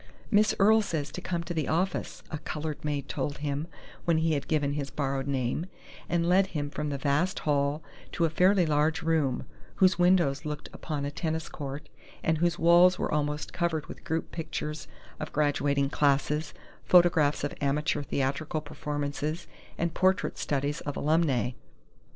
"Miss Earle says to come to the office," a colored maid told him, when he had given his borrowed name, and led him from the vast hall to a fairly large room, whose windows looked upon a tennis court, and whose walls were almost covered with group pictures of graduating classes, photographs of amateur theatrical performances, and portrait studies of alumnae.